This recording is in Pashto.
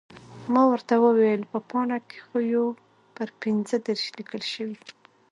ما ورته وویل، په پاڼه کې خو یو پر پنځه دېرش لیکل شوي.